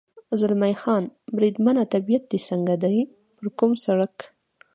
زلمی خان: بریدمنه، طبیعت دې څنګه دی؟ پر کوم سړک.